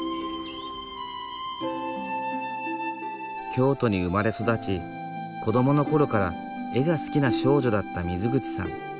京都に生まれ育ち子どもの頃から絵が好きな少女だった水口さん。